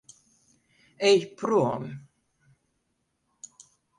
Ej prom.